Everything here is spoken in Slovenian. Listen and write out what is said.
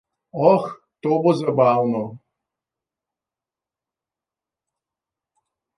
Oh, to bo zabavno!